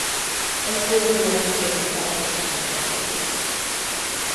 Egy hónap múlva kitört az első csecsen háború.